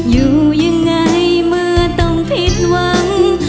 อยู่ยังไงเมื่อต้องผิดหวัง